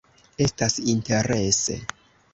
Estas interese.